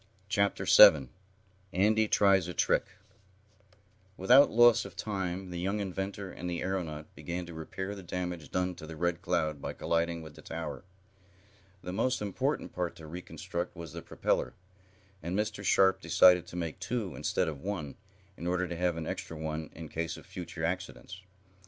Chapter 7 Andy Tries a Trick Without loss of time the young inventor and the aeronaut began to repair the damage done to the Red Cloud by colliding with the tower. The most important part to reconstruct was the propeller, and Mr. Sharp decided to make two, instead of one, in order to have an extra one in case of future accidents.